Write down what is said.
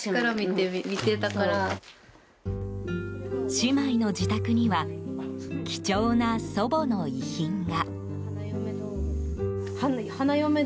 姉妹の自宅には貴重な祖母の遺品が。